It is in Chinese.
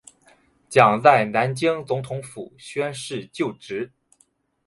蒋在南京总统府宣誓就职。